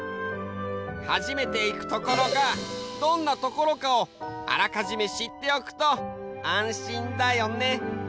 初めていくところがどんなところかをあらかじめしっておくと安心だよね。